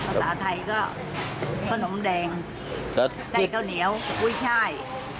ภาษาไทยก็ขนมแดงไส้ข้าวเหนียวกุ้ยช่าย